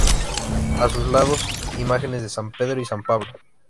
A sus lados, imágenes de San Pedro y San Pablo.